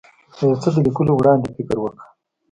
د یو څه د لیکلو وړاندې فکر وکړه.